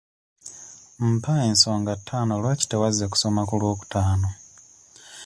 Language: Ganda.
Mpa ensonga ttaano lwaki tewazze kusoma ku lwokutaano?